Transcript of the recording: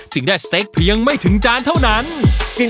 ได้สเต็กเพียงไม่ถึงจานเท่านั้น